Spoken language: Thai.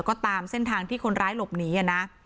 ก็ตามเส้นทางที่คนร้ายหลบหนีนะ